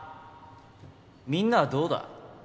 みんなはどうだ？